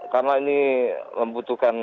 karena ini membutuhkan